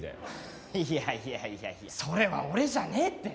いやいやいやいやそれは俺じゃねえって！